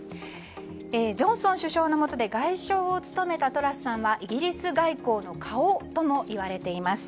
ジョンソン首相のもとで外相を務めたトラスさんはイギリス外交の顔ともいわれています。